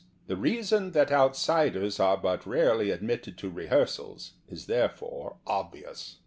The reason that outsiders are hut rarely admitted to rehearsals is therefore ob vious.